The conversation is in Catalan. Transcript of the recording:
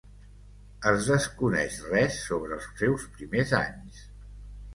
Es desconeix res sobre els seus primers anys.